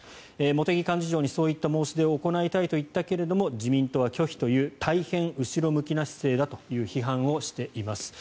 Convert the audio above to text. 茂木幹事長にそういった申し出を行いたいと言ったけども自民党は拒否という大変後ろ向きな姿勢だという批判をしています。